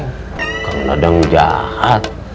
karena kang dadang jahat